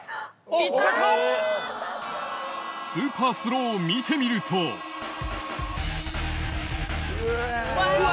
行ったか⁉スーパースローを見てみるとうわ。